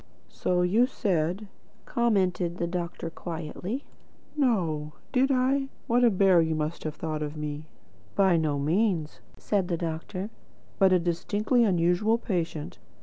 "So you said," commented the doctor quietly. "No! Did I? What a bear you must have thought me." "By no means," said the doctor, "but a distinctly unusual patient.